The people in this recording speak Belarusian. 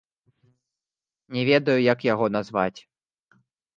Не ведаю, як яго назваць.